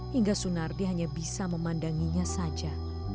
hingga sunardi hanya bisa memandanginya saja